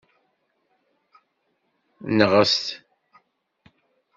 Nɣet!